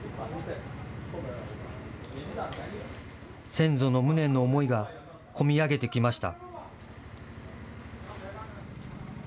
先祖の無念の思いが込み上げてきました。